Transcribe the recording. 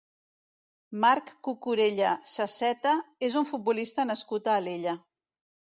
Marc Cucurella Saseta és un futbolista nascut a Alella.